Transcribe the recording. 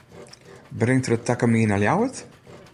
Bringt er it takom jier nei Ljouwert?